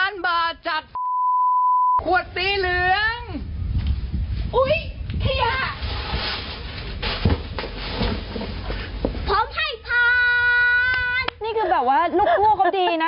นี่คือแบบว่าลูกคู่เขาดีนะ